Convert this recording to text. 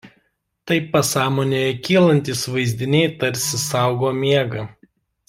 Taip pasąmonėje kylantys vaizdiniai tarsi saugo miegą.